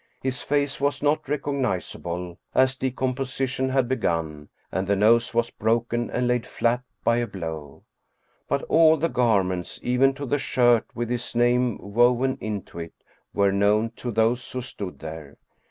His face was not recognizable, as decomposition had begun, and the nose was broken and laid flat by a blow. But all the garments, even to the shirt with his name woven into it, were known to those who stood there.